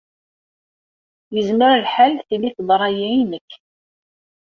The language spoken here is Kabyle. Yezmer lḥal tili teḍra-yi i nekk.